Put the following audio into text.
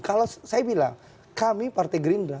kalau saya bilang kami partai gerindra